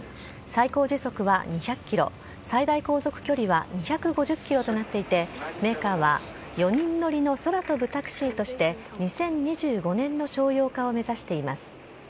最高時速は２００キロ、最大航続距離は２５０キロとなっていて、メーカーは４人乗りの空飛ぶタクシーとして、２０２５年の商用化を目指しています。